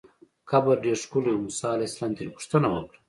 قبر ډېر ښکلی و، موسی علیه السلام ترې پوښتنه وکړه.